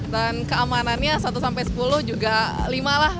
dan keamanannya satu sampai sepuluh juga lima lah